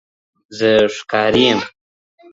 زه ښکاري یم